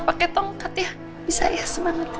pakai tongkat ya bisa ya semangat ya